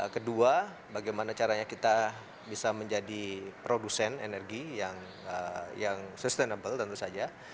kedua bagaimana caranya kita bisa menjadi produsen energi yang sustainable tentu saja